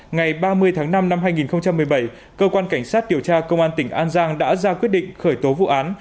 ngày ba mươi tháng năm năm hai nghìn một mươi bảy cơ quan cảnh sát điều tra công an tỉnh an giang đã ra quyết định khởi tố vụ án